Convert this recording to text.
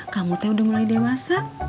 kamu teh udah mulai dewasa